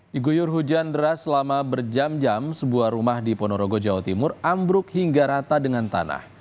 di guyur hujan deras selama berjam jam sebuah rumah di ponorogo jawa timur ambruk hingga rata dengan tanah